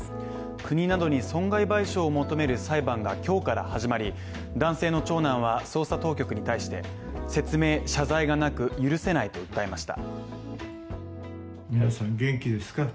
国などに損害賠償を求める裁判が今日から始まり、男性の長男は捜査当局に対して説明謝罪がなく、許せないと訴えました。